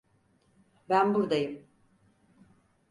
Ben burdayım.